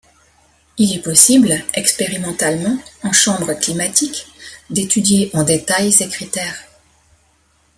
Il est possible, expérimentalement en chambres climatiques, d'étudier en détails ces critères.